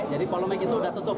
jadi polemik itu sudah tutup